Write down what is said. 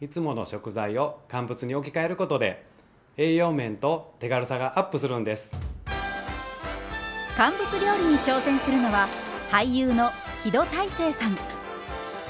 肉や魚など乾物料理に挑戦するのは俳優の木戸大聖さん。